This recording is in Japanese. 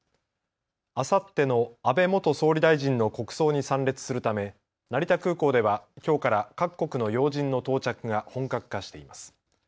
あさっての安倍元総理大臣の国葬に参列するため成田空港ではきょうから各国の要人の到着が本格化しています。